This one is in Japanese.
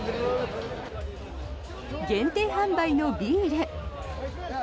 限定販売のビール。